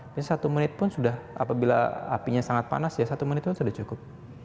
mungkin satu menit pun sudah apabila apinya sangat panas ya satu menit itu sudah cukup